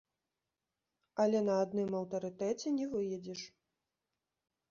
Але на адным аўтарытэце не выедзеш.